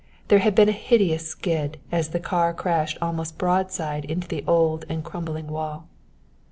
There had been a hideous skid as the car crashed almost broadside into the old and crumbling wall.